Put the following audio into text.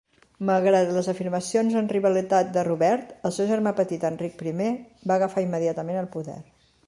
Malgrat les afirmacions en rivalitat de Robert, el seu germà petit Enric I va agafar immediatament el poder.